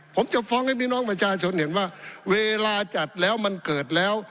ผมจะฟ้องให้พี่น้องประชาชนเห็นว่าเวลาจัดแล้วมันเกิดแล้ว